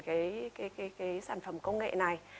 cái sản phẩm công nghệ này